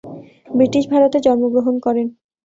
British ভারতে জন্মগ্রহণ করেন।